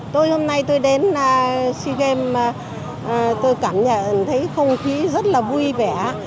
tôi hôm nay tôi đến sea games tôi cảm nhận thấy không khí rất là vui vẻ